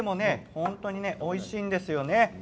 本当においしいんですよね。